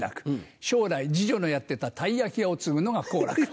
将来次女のやってたたい焼き屋を継ぐのが好楽。